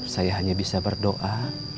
saya hanya bisa berdoa